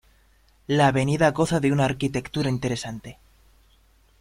La avenida goza de una arquitectura interesante.